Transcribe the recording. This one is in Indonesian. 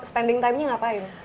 spending timenya ngapain